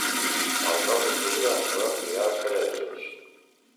El nou d'octubre en Roc irà als Pallaresos.